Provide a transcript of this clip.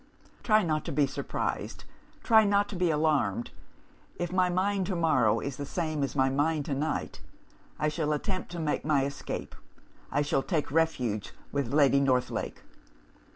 "Try not to be surprised; try not to be alarmed. If my mind to morrow is the same as my mind to night, I shall attempt to make my escape. I shall take refuge with Lady Northlake.